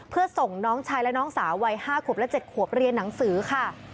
เพื่อส่งน้องชายและน้องสาววัย๕ขวบและ๗ขวบเรียนหนังสือค่ะ